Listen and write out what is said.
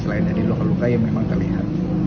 selain dari luka luka ya memang terlihat